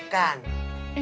gak ada apa